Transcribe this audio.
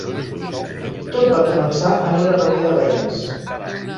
Tot va començar en una reunió de veïns.